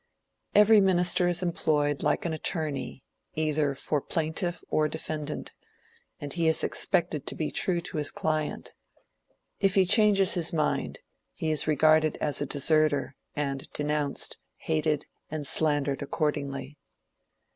Every minister is employed like an attorney either for plaintiff or defendant, and he is expected to be true to his client. If he changes his mind, he is regarded as a deserter, and denounced, hated, and slandered accordingly.